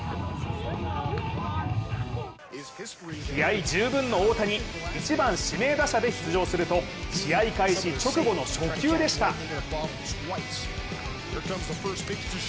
気合い十分の大谷１番・指名打者で出場すると試合開始直後の初球でした。